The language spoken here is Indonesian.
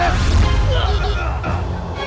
kau tidak suka ini